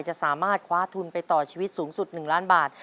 จะสามารถคว้าทุนไปต่อชีวิตสูงสุด๑ล้านบาท